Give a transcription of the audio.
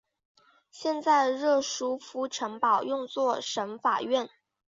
现在热舒夫城堡用作省法院。